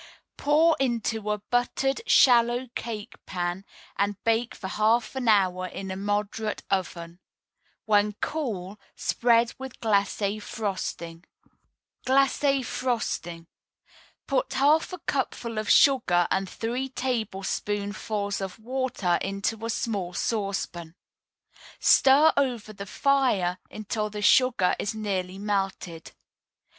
Pour into a buttered, shallow cake pan, and bake for half an hour in a moderate oven. When cool, spread with glacé frosting. GLACÉ FROSTING. Put half a cupful of sugar and three tablespoonfuls of water in a small saucepan. Stir over the fire until the sugar is nearly melted.